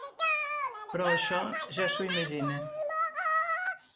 Però això ja s'ho imagina.